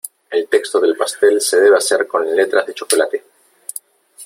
El texto del pastel se debe hacer con letras de chocolate.